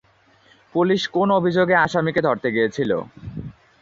Police কোন অভিযোগে আসামিকে ধরতে গিয়ে্ছিল?